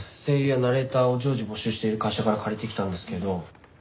声優やナレーターを常時募集している会社から借りてきたんですけど。